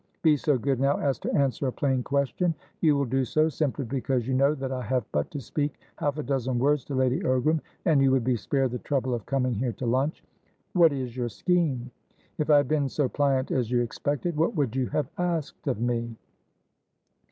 Be so good, now, as to answer a plain question. You will do so, simply because you know that I have but to speak half a dozen words to Lady Ogram, and you would be spared the trouble of coming here to lunch. What is your scheme? If I had been so pliant as you expected, what would you have asked of me?"